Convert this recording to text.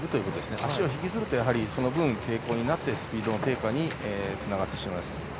足を引きずるとその分、抵抗になってスピードの低下につながります。